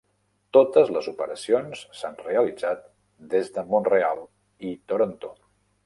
Totes les operacions s'han realitzat des de Mont-real i Toronto.